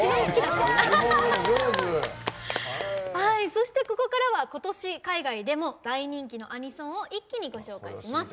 そして、ここからは今年海外でも大人気のアニソンを一気にご紹介します。